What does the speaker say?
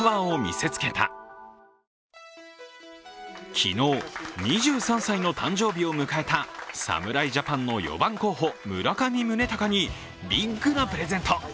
昨日、２３歳の誕生日を迎えた侍ジャパンの４番候補、村上宗隆にビッグなプレゼント。